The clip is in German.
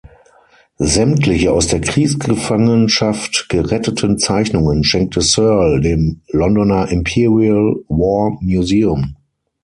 Sämtliche aus der Kriegsgefangenschaft geretteten Zeichnungen schenkte Searle dem Londoner Imperial War Museum.